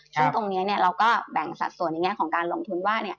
ซึ่งตรงนี้เราก็แบ่งสัดส่วนในแง่ของการลงทุนว่า